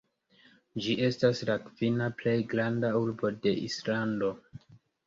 Ĝi estas la kvina plej granda urbo de Islando.